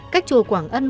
cách chùa quảng ân